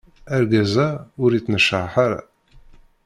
Argaz-a ur ittnecraḥ ara.